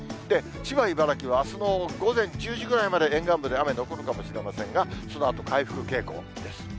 千葉、茨城はあすの午前１０時ぐらいまで、沿岸部で雨、残るかもしれませんが、そのあと回復傾向です。